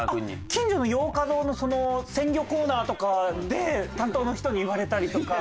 近所のヨーカドーの鮮魚コーナーとかで担当の人に言われたりとか。